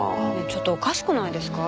ちょっとおかしくないですか？